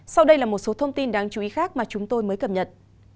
sau đây là một số thông tin đáng chú ý khác mà chúng tôi mới cập nhật